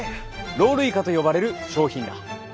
ロールイカと呼ばれる商品だ。